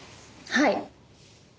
はい。